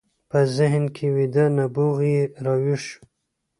په ذهن کې ويده نبوغ يې را ويښ شو.